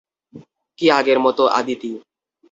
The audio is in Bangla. কি আগের মতো, আদিতি?